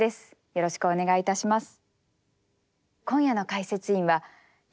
よろしくお願いします。